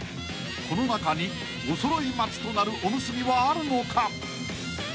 ［この中におそろい松となるおむすびはあるのか］